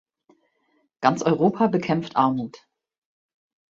Ganz Europa bekämpft Armut.